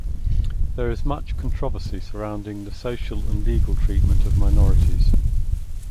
There is much controversy surrounding the social and legal treatment of minorities.